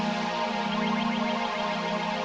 ketika akhirnya pelarian lo sudah berakhir